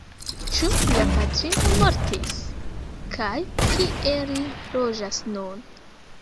Ĉu lia patrino mortis!? kaj kie li loĝas nun?